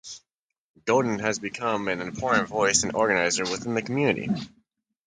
Golden has become an important voice and organizer within the community.